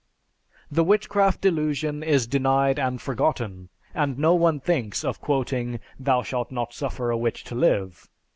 The Witchcraft Delusion is denied and forgotten, and no one thinks of quoting, "Thou shalt not suffer a witch to live."